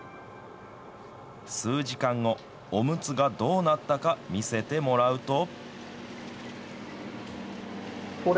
数時間後、おむつがどうなったか見せてもらうと。